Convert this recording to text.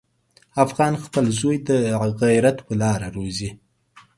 افغان خپل زوی د غیرت په لاره روزي.